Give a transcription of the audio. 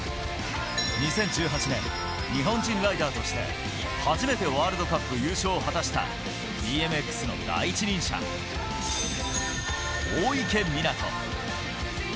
２０１８年、日本人ライダーとして初めてワールドカップ優勝を果たしたＢＭＸの第一人者、大池水杜。